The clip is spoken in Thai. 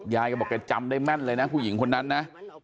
ยายก็บอกแกจำได้แม่นเลยนะผู้หญิงคนนั้นนะ